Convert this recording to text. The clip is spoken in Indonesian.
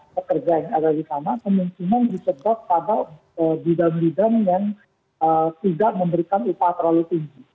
pekerja yang ada di sana kemungkinan disebab pada bidang bidang yang tidak memberikan upah terlalu tinggi